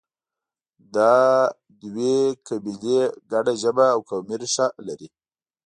دا دوه قبیلې ګډه ژبه او قومي ریښه لري